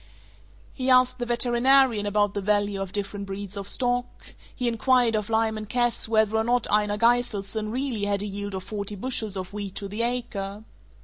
He asked the veterinarian about the value of different breeds of stock; he inquired of Lyman Cass whether or not Einar Gyseldson really had had a yield of forty bushels of wheat to the acre.